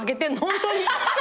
本当に。